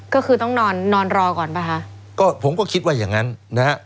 ก็คือต้องนอนนอนรอก่อนป่ะคะก็ผมก็คิดว่าอย่างงั้นนะฮะ